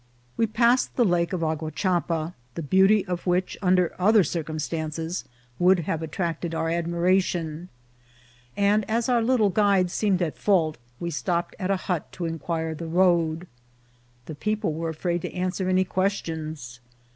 We passed the Lake of Aguachapa, the beauty of which, under other circumstances, would have attracted our DEPARTURE FOR GUATIMALA. 97 admiration ; and as our little guide seemed at fault, we stopped at a hut to inquire the road. The people were afraid to answer any questions.